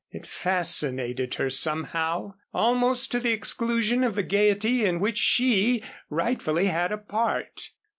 It fascinated her somehow, almost to the exclusion of the gayety in which she rightfully had a part.